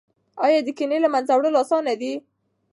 ایا د کینې له منځه وړل اسانه دي؟